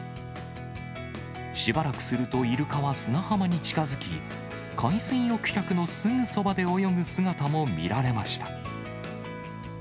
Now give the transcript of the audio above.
しばらくするとイルカは砂浜に近づき、海水浴客のすぐそばで泳ぐ姿も見られました。